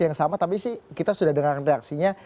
yang sama tapi sih kita sudah dengar reaksinya